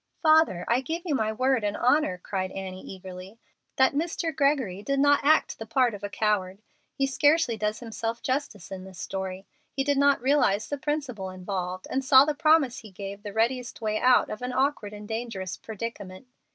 "Father, I give you my word and honor," cried Annie, eagerly, "that Mr. Gregory did not act the part of a coward. He scarcely does himself justice in his story. He did not realize the principle involved, and saw in the promise he gave the readiest way out of an awkward and dangerous predicament.